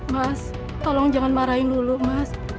mas tolong jangan marahin dulu mas